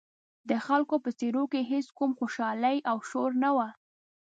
د خلکو په څېرو کې هېڅ کوم خوشحالي او شور نه و.